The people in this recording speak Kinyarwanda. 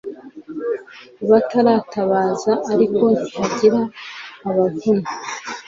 Baratabaza ariko ntihagira ubavuna